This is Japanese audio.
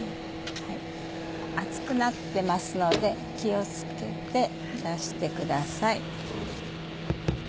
熱くなってますので気を付けて出してください。